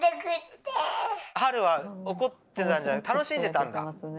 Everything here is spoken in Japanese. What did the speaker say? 晴は怒ってたんじゃなくて楽しんでたんだ。